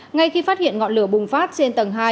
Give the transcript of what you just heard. ngay khi phát hiện ngọn lửa bùng phát trên tầng hai